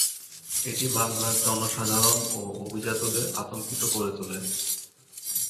এটি বাংলার জনসাধারণ ও অভিজাতদের আতঙ্কিত করে তোলে।